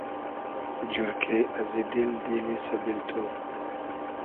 جورکې ازی دیل، دیلی سئبیل تو